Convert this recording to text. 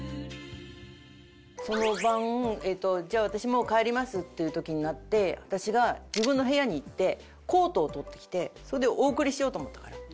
その晩「じゃあ私もう帰ります」っていう時になって私が自分の部屋に行ってコートを取ってきてそれでお送りしようと思ったから。